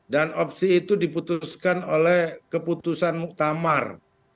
dan opsi itu diputuskan oleh keputusan muktamar